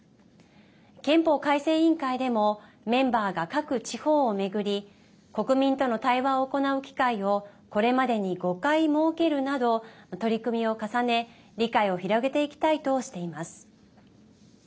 憲法改正委員会でもメンバーが各地方を巡り国民との対話を行う機会をこれまでに５回設けるなど取り組みを重ね、理解を広げていきたいとしています。